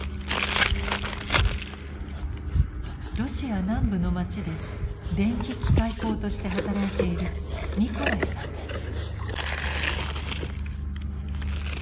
ロシア南部の町で電気機械工として働いているニコライさんです。